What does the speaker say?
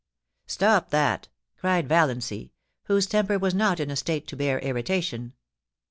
* Stop that !' cried Valiancy, whose temper was not in a state to bear irritation.